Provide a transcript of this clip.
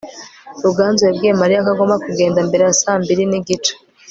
ruganzu yabwiye mariya ko agomba kugenda mbere ya saa mbiri n'igice